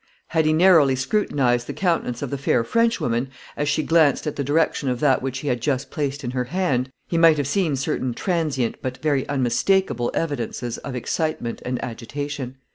Had he narrowly scrutinised the countenance of the fair Frenchwoman, as she glanced at the direction of that which he had just placed in her hand, he might have seen certain transient, but very unmistakable evidences of excitement and agitation.